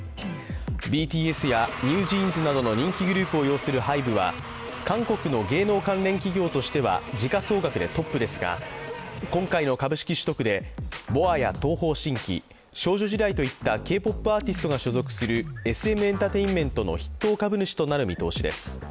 ＢＴＳやＮｅｗＪｅａｎｓなどの人気グループを擁するＨＹＢＥは韓国の芸能関連企業としては時価総額でトップですが、今回の株式取得でＢｏＡや東方神起、少女時代といったＫ−ＰＯＰアーティストが所属するＳ．Ｍ．ｅｎｔｅｒｔａｉｎｍｅｎｔの筆頭株主となる見通しです。